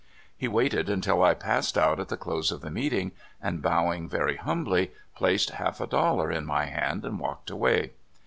He waited un til I passed out at the close of the meeting, and, bowing very humbly, placed half a dollar in my hand, and walked away.